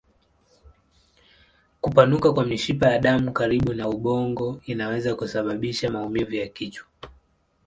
Kupanuka kwa mishipa ya damu karibu na ubongo inaweza kusababisha maumivu ya kichwa.